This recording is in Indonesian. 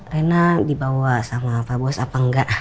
rena dibawa sama pak bos apa enggak